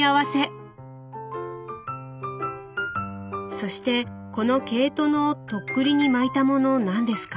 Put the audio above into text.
そしてこの毛糸の徳利に巻いたもの何ですか？